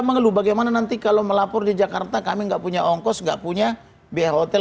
mengeluh bagaimana nanti kalau melapor di jakarta kami enggak punya ongkos enggak punya biaya hotel